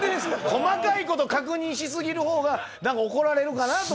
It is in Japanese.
細かいこと確認し過ぎる方が怒られるかなと思って。